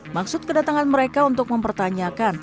maksud kedatangan mereka untuk mempertanyakan